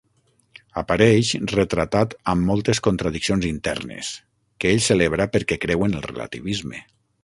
Apareix retratat amb moltes contradiccions internes, que ell celebra perquè creu en el relativisme.